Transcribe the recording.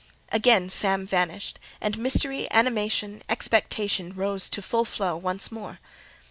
Again Sam vanished; and mystery, animation, expectation rose to full flow once more.